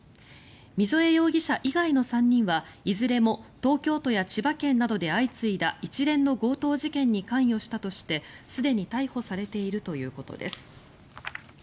溝江容疑者以外の３人はいずれも東京都や千葉県などで相次いだ一連の強盗事件に関与したとしてすでに逮捕されているということです。